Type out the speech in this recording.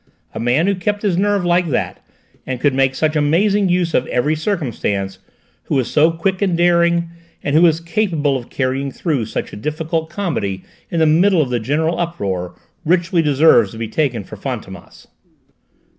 A man who kept his nerve like that and could make such amazing use of every circumstance, who was so quick and daring, and who was capable of carrying through such a difficult comedy in the middle of the general uproar, richly deserves to be taken for Fantômas!"